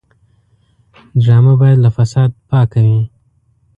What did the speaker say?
ډرامه باید له فساد پاکه وي